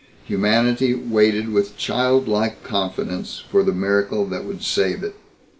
Humanity waited with childlike confidence for the miracle that would save it.